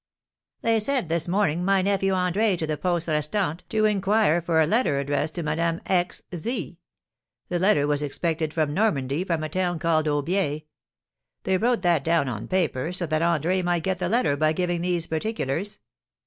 "They sent, this morning, my nephew André to the Poste Restante to inquire for a letter addressed to 'Madame X. Z.' The letter was expected from Normandy, from a town called Aubiers. They wrote that down on paper, so that André might get the letter by giving these particulars.